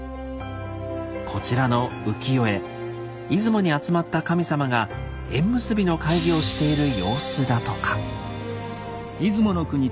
こちらの浮世絵出雲に集まった神様が縁結びの会議をしている様子だとか。